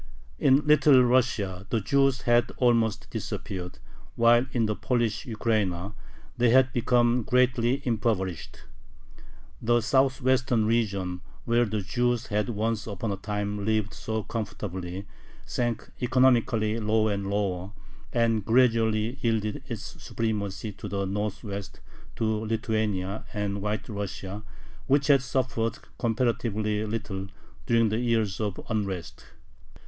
In Little Russia the Jews had almost disappeared, while in the Polish Ukraina they had become greatly impoverished. The southwestern region, where the Jews had once upon a time lived so comfortably, sank economically lower and lower, and gradually yielded its supremacy to the northwest, to Lithuania and White Russia, which had suffered comparatively little during the years of unrest.